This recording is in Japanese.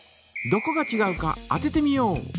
どこがちがうか当ててみよう！